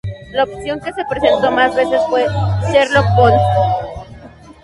La opción que se presentó más veces fue "Sherlock Bones".